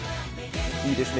いいですね